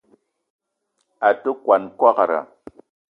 A te kwuan kwagra.